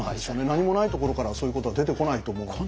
何もないところからそういうことは出てこないと思うので。